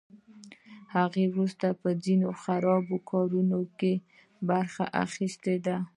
هغه وروسته په ځینو خرابو کارونو کې برخه اخیستې ده